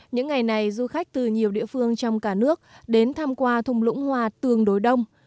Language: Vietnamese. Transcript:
những ngày này du khách từ nhiều địa phương trong cả nước đến tham qua thung lũng hoa tường đối đông